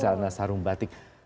caranya sarung batik